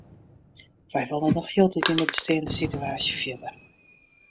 Wy wolle noch hieltyd yn de besteande sitewaasje fierder.